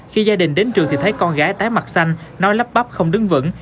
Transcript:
khi gia đình đến trường thì thấy con gái tái mặt xanh nói lắp bắp không đứng vững